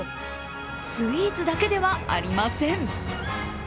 スイーツだけではありません。